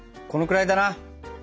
このくらいだな。